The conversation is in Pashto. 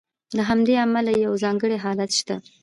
له همدې امله یو ځانګړی حالت شته.